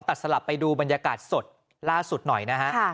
สลับไปดูบรรยากาศสดล่าสุดหน่อยนะฮะ